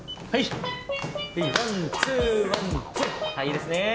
はいいいですね！